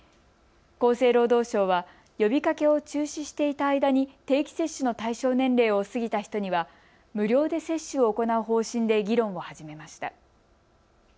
厚生労働省は呼びかけを中止していた間に定期接種の対象年齢を過ぎた人には無料で接種を行う方針で議論を始めました。